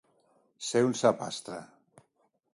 Ser un sapastre.